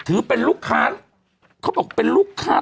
ถือเป็นลูกค้า